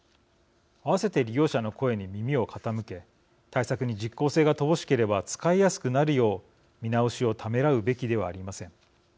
合わせて利用者の声に耳を傾け対策に実効性が乏しければ使いやすくなるよう見直しをためらうべきではありません。